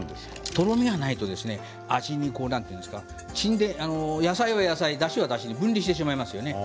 とろみがないと、沈殿野菜は野菜、だしはだしと分離してしまうんですね。